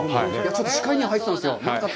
ちょっと視界には入ったんですよ。